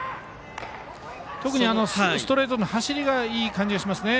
特にストレートの走りがいい感じがしますね。